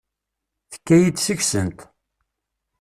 Tekka-yi-d seg-sent.